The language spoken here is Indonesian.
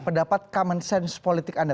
pendapat common sense politik anda